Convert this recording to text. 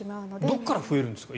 どこから増えるんですか？